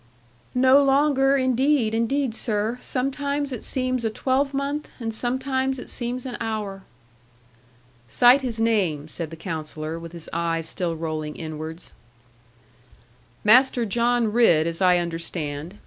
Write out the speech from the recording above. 'No longer, indeed, indeed, sir. Sometimes it seems a twelvemonth, and sometimes it seems an hour.' 'Cite his name,' said the Counsellor, with his eyes still rolling inwards. 'Master John Ridd, as I understand.